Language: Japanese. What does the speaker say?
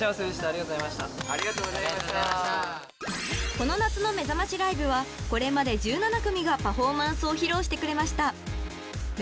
［この夏のめざましライブはこれまで１７組がパフォーマンスを披露してくれました］